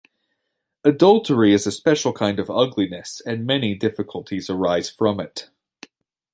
Adultery is a special kind of ugliness and many difficulties arise from it.